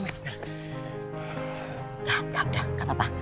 nggak nggak udah gak apa apa